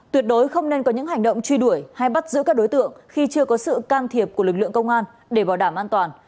tuyệt đối không nên có những hành động truy đuổi hay bắt giữ các đối tượng khi chưa có sự can thiệp của lực lượng công an để bảo đảm an toàn